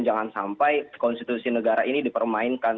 jangan sampai konstitusi negara ini dipermainkan